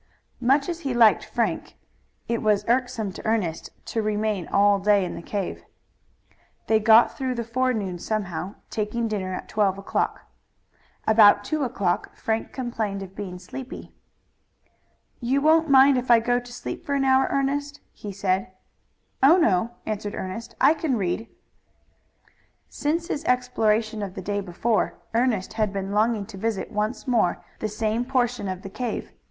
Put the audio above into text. Much as he liked Frank, it was irksome to Ernest to remain all day in the cave. They got through the forenoon somehow, taking dinner at twelve o'clock. About two o'clock Frank complained of being sleepy. "You won't mind if I go to sleep for an hour, Ernest?" he said. "Oh, no," answered Ernest. "I can read." Since his exploration of the day before Ernest had been longing to visit once more the same portion of the cave.